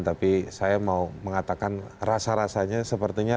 tapi saya mau mengatakan rasa rasanya sepertinya